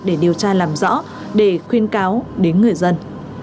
để điều tra làm rõ để khuyên cáo đến người dân